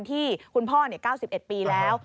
ที่คุณพ่อ๙๑ปีแล้ว